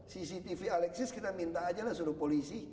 cctv alexis kita minta aja lah suruh polisi